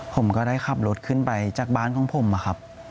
ผมก็ได้ขับรถขึ้นไปจากบ้านของผมอะครับ